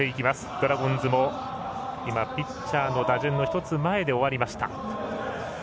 ドラゴンズも今、ピッチャーの打順の１つ前で終わりました。